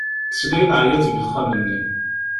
Tesla i leɛyaḍ deg uxxam-nni.